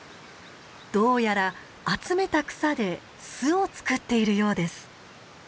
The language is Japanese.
どうやら集めた草で巣を作っているようです。